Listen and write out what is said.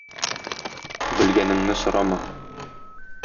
Белгәнеңне сорама.